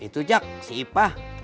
itu cak si ipah